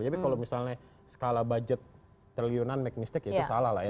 jadi kalau misalnya skala budget triliunan make mistake itu salah lah ya